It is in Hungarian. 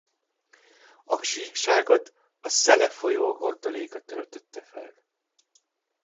A síkságot a Sele folyó hordaléka töltötte fel.